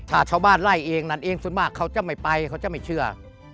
ถ้าชาวบ้านไล่เองนั่นเองส่วนมากเขาจะไม่ไปเขาจะไม่เชื่อ